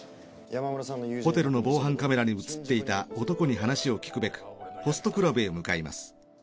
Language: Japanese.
ホテルの防犯カメラに映っていた男に話を聞くべくホストクラブへ向かいます。